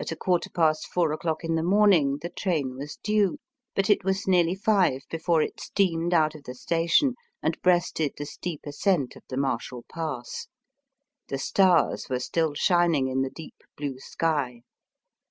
At a quarter past four o'clock in the morning the train was due, but it was nearly five before it steamed out of the station and breasted the steep ascent of the Marshall Pass. The stars were still shining in the deep blue sky.